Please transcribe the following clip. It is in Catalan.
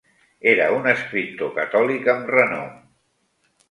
Era un escriptor catòlic amb renom.